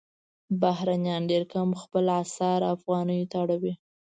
بهرنیان ډېر کم خپل اسعار افغانیو ته اړوي.